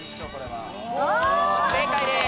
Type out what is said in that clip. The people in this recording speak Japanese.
正解です。